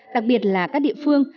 đặc biệt là các địa phương